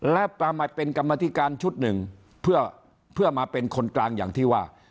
และเป็นกรรมธิการชุดหนึ่งเพื่อมาเป็นคนกลางอย่างที่ว่า